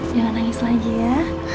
jangan nangis lagi ya